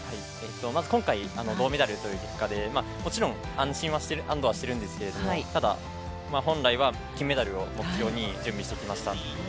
まず今回銅メダルという結果でもちろん安どはしているんですけどただ本来は金メダルを目標に準備してきました。